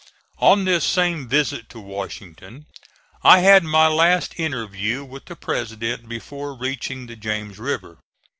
On this same visit to Washington I had my last interview with the President before reaching the James River.